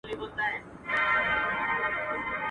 په لړزه يې سوه لكۍ او اندامونه.